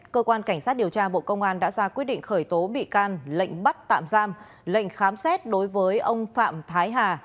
cơ quan cảnh sát điều tra bộ công an đã ra quyết định khởi tố bị can lệnh bắt tạm giam lệnh khám xét đối với ông phạm thái hà